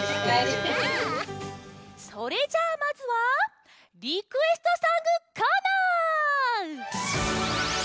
それじゃあまずは「リクエストソングコーナー」！